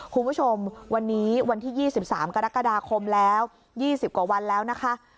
คุณผู้ชมวันนี้วันที่๒๓กรกฎาคมแล้ว๒๐กว่าวันแล้วนะคะ